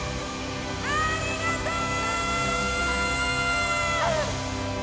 ありがとう！